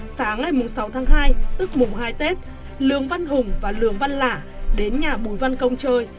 sáng ngày sáu tháng hai tức mùng hai tết lương văn hùng và lường văn lả đến nhà bùi văn công chơi